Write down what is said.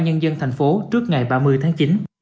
nhân dân thành phố trước ngày ba mươi tháng chín